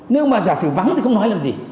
nếu mà giả sử vắng thì không nói làm gì